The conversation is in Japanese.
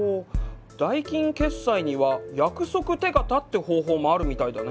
代金決済には「約束手形」って方法もあるみたいだね。